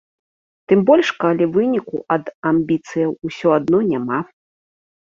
Тым больш калі выніку ад амбіцыяў усё адно няма.